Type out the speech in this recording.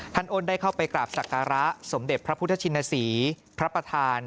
ท่านโอนได้เข้าไปกลับสักการะสมเด็จพระพุทธชินาศรีพระปทาน